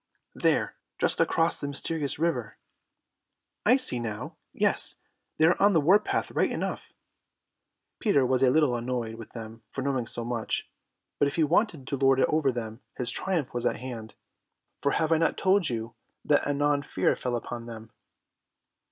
"There, just across the Mysterious River." "I see now. Yes, they are on the war path right enough." Peter was a little annoyed with them for knowing so much, but if he wanted to lord it over them his triumph was at hand, for have I not told you that anon fear fell upon them?